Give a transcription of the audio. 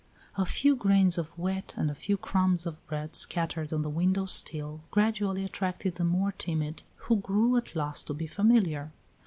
A few grains of wheat and a few crumbs of bread scattered on the window sill gradually attracted the more timid, who grew at last to be familiar.